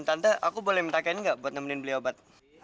tante aku boleh minta ken enggak buat nemenin beli obat